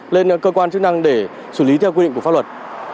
lên cơ quan chức năng để xử lý theo quy định của pháp luật